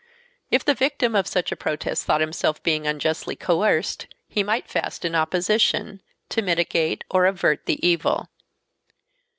If the victim of such a protest thought himself being unjustly coerced, he might fast in opposition, "to mitigate or avert the evil."